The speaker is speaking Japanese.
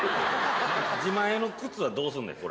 自前の靴はどうすんねん、これ。